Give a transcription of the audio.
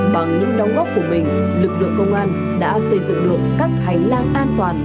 bằng những đóng góp của mình lực lượng công an đã xây dựng được các hành lang an toàn